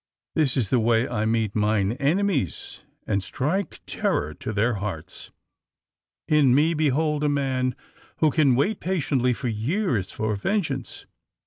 This is the way I meet mine ene mies and strike terror to their hearts. In me behold a man who can wait patiently for years for vengeance.